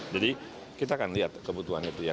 jadi kita kan lihat kebutuhan itu ya